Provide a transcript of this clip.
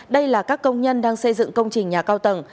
đây là các công nhân đang xây dựng công trình nhà cao tầng